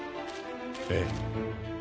ええ。